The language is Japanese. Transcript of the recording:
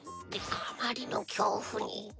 あまりの恐怖に。